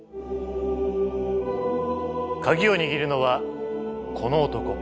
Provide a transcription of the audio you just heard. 鍵を握るのはこの男。